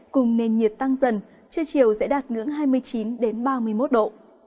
cùng nền nhiệt tăng dần trưa chiều sẽ đạt ngưỡng hai mươi chín ba mươi một độ